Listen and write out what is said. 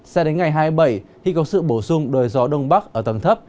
sao đến ngày hai mươi bảy khi có sự bổ sung đời gió đông bắc ở tầng thấp